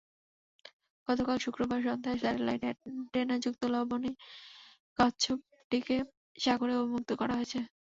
গতকাল শুক্রবার সন্ধ্যায় স্যাটেলাইট অ্যানটেনাযুক্ত লাবণি কচ্ছপটিকে সাগরে অবমুক্ত করা হয়েছে।